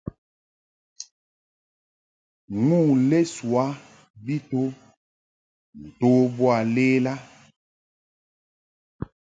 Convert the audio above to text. Nu lesoa mbi to nto boa lela.